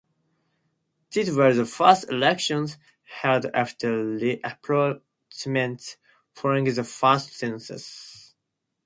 These were the first elections held after reapportionment following the first census.